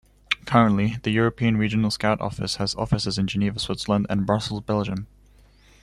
Currently, the European Regional Scout Office has offices in Geneva, Switzerland and Brussels, Belgium.